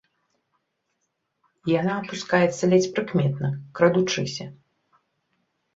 Яны апускаецца ледзь прыкметна, крадучыся.